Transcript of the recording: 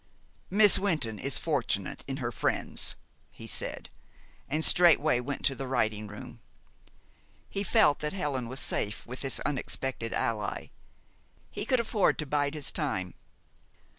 "Miss Wynton is fortunate in her friends," he said, and straightway went to the writing room. He felt that Helen was safe with this unexpected ally. He could afford to bide his time.